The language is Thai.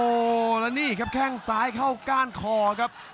โอ้โหแล้วนี่ครับแข้งซ้ายเข้าก้านคอครับ